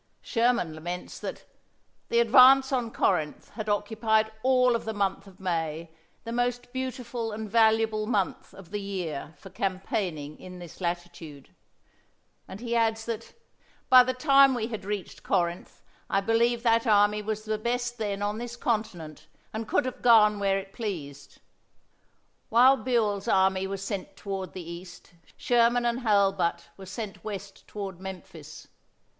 Sherman laments that "the advance on Corinth had occupied all of the month of May, the most beautiful and valuable month of the year for campaigning in this latitude"; and he adds that "by the time we had reached Corinth I believe that army was the best then on this continent, and could have gone where it pleased." While Buell's army was sent toward the east, Sherman and Hurlbut were sent west toward Memphis.